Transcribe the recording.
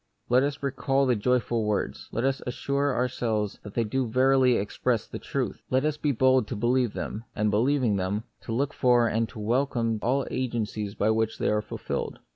Let us recall the joyful words ; let us as sure ourselves that they do verily express the truth ; let us be bold to believe them, and, believing them, to look for and to welcome all agencies by which they are fulfilled.